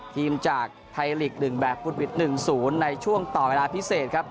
ทีมจากไทยลีก๑แบบฟุตวิด๑๐ในช่วงต่อเวลาพิเศษครับ